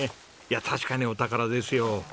いや確かにお宝ですよ。